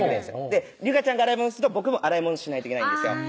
で有果ちゃんが洗い物すると僕も洗い物しないといけないんですよ